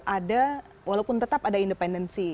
ada walaupun tetap ada independensi